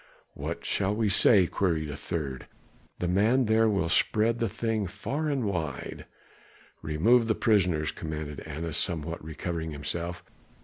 "What shall we say?" queried a third. "The man there will spread the thing far and wide." "Remove the prisoners," commanded Annas, somewhat recovering himself.